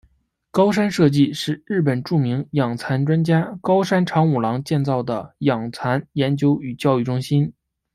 高山社迹是日本著名养蚕专家高山长五郎建造的养蚕研究与教育中心。